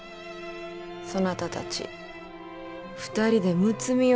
そなたたち２人でむつみ合うてみよ。